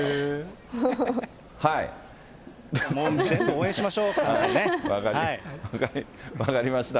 全部応援しましょう、分かりました。